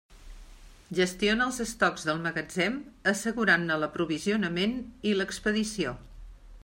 Gestiona els estocs del magatzem, assegurant-ne l'aprovisionament i l'expedició.